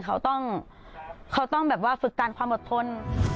เขาต้องเขาต้องฝึกกันความอดทน